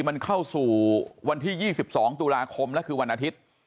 มันเข้าสู่วันที่๒๒ตุลาคมแล้วคือวันอาทิตย์